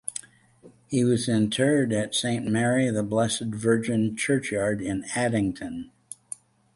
He was interred at St Mary the Blessed Virgin Churchyard in Addington.